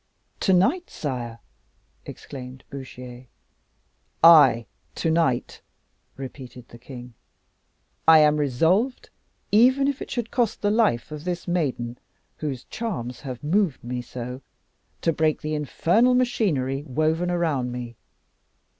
"To night, sire!" exclaimed Bouchier. "Ay, to night," repeated the king. "I am resolved, even if it should cost the life of this maiden, whose charms have moved me so, to break the infernal machinery woven around me.